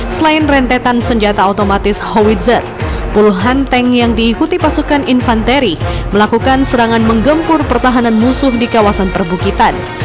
selain rentetan senjata otomatis howitzer puluhan tank yang diikuti pasukan infanteri melakukan serangan menggempur pertahanan musuh di kawasan perbukitan